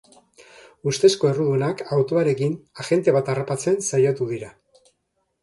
Ustezko errudunak autoarekin agente bat harrapatzen saiatu dira.